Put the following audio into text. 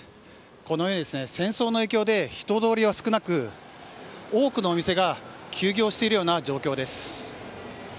この戦争の影響で人通りは少なく多くのお店が休業しているような状況です。